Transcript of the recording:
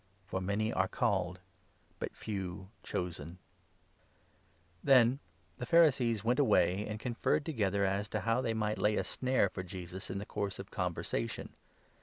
For 14 many are called, but few chosen." A Question Then the Pharisees went away and conferred 15 about together as to how they might lay a snare for Tribute. Jesus in the course of conversation.